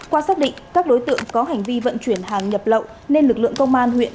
qua xác định các đối tượng có hành vi vận chuyển hàng nhập lậu nên lực lượng công an huyện